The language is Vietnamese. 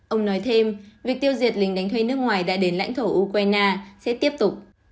ông nói thêm việc tiêu diệt lình đánh thuê nước ngoài đã đến lãnh thổ ukraine sẽ tiếp tục